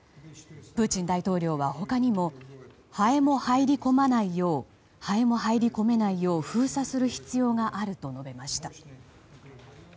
プーチン大統領は他にもハエも入り込めないよう封鎖する必要があると述べました。